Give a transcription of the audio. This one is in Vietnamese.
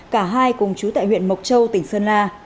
cả hai cùng chú tại huyện mộc châu tỉnh sơn la